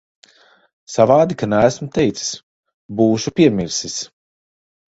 Savādi, ka neesmu teicis. Būšu piemirsis.